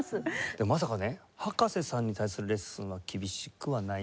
でもまさかね葉加瀬さんに対するレッスンは厳しくはない？